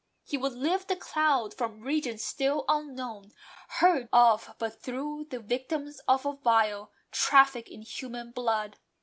He Would lift the cloud from regions still unknown; Heard of but through the victims of a vile Traffic in human blood.